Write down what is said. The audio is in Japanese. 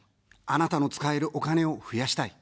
あなたの使えるお金を増やしたい。